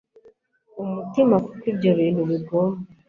umutima kuko ibyo bintu bigomba